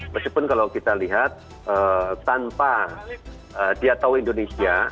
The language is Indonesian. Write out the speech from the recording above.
meskipun kalau kita lihat tanpa dia tahu indonesia